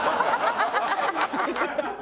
ハハハハ！